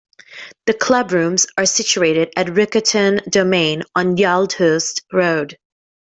The club rooms are situated at Riccarton Domain on Yaldhurst Road.